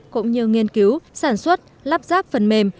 cũng như nghiên cứu sản xuất lắp ráp phần mềm